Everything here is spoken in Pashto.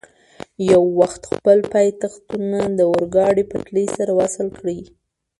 یو وخت خپل پایتختونه د اورګاډي پټلۍ سره وصل کړي.